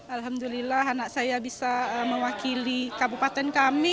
alhamdulillah anak saya bisa mewakili kabupaten kami